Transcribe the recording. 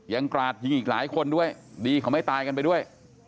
กราดยิงอีกหลายคนด้วยดีเขาไม่ตายกันไปด้วย